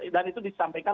dan itu disampaikan